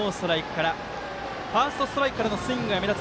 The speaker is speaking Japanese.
ファーストストライクからスイングが目立つ